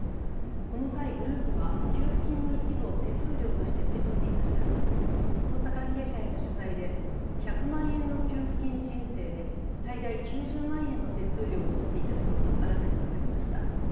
この際、グループは給付金の一部を手数料として受け取っていましたが、捜査関係者への取材で、１００万円の給付金申請で最大９０万円の手数料を取っていたことが新たに分かりました。